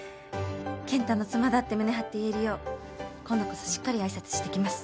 健太の妻だって胸張って言えるよう今度こそしっかり挨拶してきます。